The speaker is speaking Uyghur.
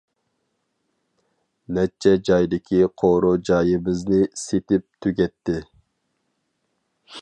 نەچچە جايدىكى قورۇ جايىمىزنى سېتىپ تۈگەتتى.